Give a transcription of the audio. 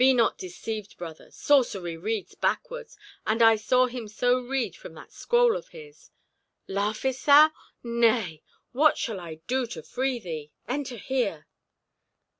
Be not deceived, brother. Sorcery reads backwards—and I saw him so read from that scroll of his. Laughest thou! Nay! what shall I do to free thee? Enter here!"